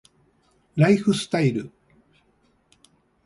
ライフスタイル